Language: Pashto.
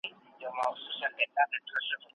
شاګرد ته اجازه ده خبرې وکړي.